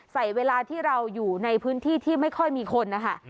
ใส่เวลาที่เราอยู่ในพื้นที่ที่ไม่ค่อยมีคนนะคะ